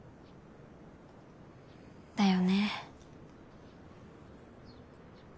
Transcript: だよね。